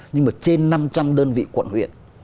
nhưng mà trên năm trăm linh đơn vị quận huyện